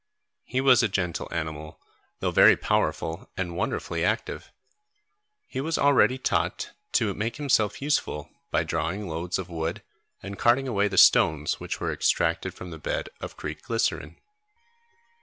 He was a gentle animal, though very powerful and wonderfully active. He was already taught to make himself useful by drawing loads of wood and carting away the stones which were extracted from the bed of Creek Glycerine.